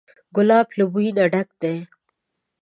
ګلاب له بوی نه ډک دی.